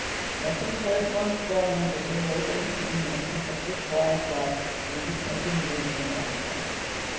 Nothing shows more strongly the veiled and hidden and perfectly quiet life that Jesus had been leading among them.